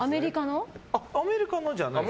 アメリカのじゃないです。